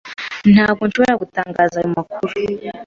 Ntabwo nshobora gutangaza ayo makuru